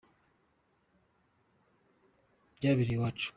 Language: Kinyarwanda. byabereye iwacu.